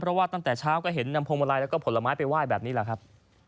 เพราะว่าตั้งแต่เช้าก็เห็นนำพวงมาลัยแล้วก็ผลไม้ไปไหว้แบบนี้แหละครับ